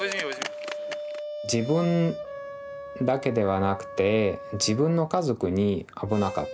自分だけではなくて自分の家族に危なかった。